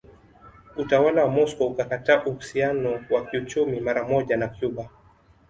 Utawala wa Moscow ukakata uhusiano wa kiuchumi maramoja na Cuba